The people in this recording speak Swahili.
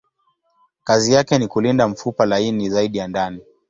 Kazi yake ni kulinda mfupa laini zaidi ya ndani.